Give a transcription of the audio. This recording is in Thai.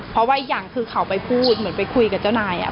เพราะว่าอีกอย่างคือเขาไปพูดเหมือนไปคุยกับเจ้านาย